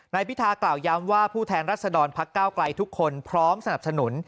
พิธากล่าวย้ำว่าผู้แทนรัศดรพักเก้าไกลทุกคนพร้อมสนับสนุน